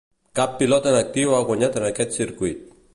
Cap pilot en actiu ha guanyat en aquest circuit.